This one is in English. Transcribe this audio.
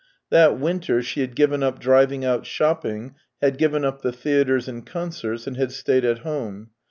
That winter she had given up driving out shopping, had given up the theatres and concerts, and had stayed at home.